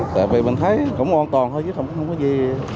tại vì mình thấy cũng an toàn thôi chứ không có gì